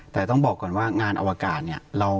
แต่ต้องบอกก่อนว่างานอวกาศเนี่ย